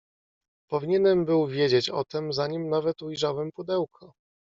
"Powinienem był wiedzieć o tem, zanim nawet ujrzałem pudełko."